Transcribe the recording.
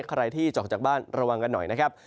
ใครที่จะออกจากบ้านระวังกันหน่อยนะครับ